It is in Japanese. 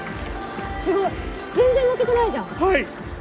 すごい全然負けてないじゃんはい！